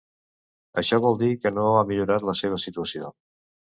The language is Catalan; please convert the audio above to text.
Això vol dir que no ha millorat la seva situació.